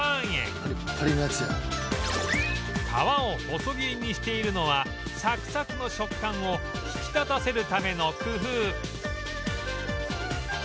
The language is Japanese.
皮を細切りにしているのはサクサクの食感を引き立たせるための工夫